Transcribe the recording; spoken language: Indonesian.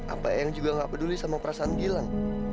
apa yang juga gak peduli sama perasaan gilang